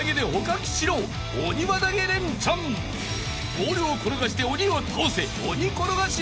［ボールを転がして鬼を倒せ！］